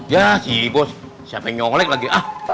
ya sih bos siapa yang ngeolek lagi